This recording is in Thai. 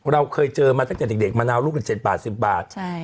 เราเคยเจอมาตั้งแต่เด็กเด็กมะนาวลูกกันเจ็ดบาทสิบบาทใช่